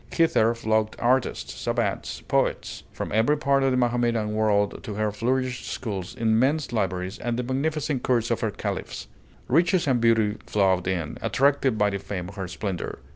Hither flocked artists, savants, poets from every part of the Mahometan world to her flourishing schools, immense libraries, and the magnificent courts of her caliphs. Riches and beauty flowed in, attracted by the fame of her splendor.